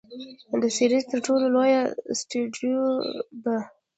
د سیریز تر ټولو لویه اسټرويډ ده.